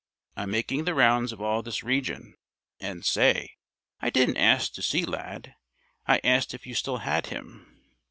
I'm making the rounds of all this region. And, say, I didn't ask to see Lad. I asked if you still had him.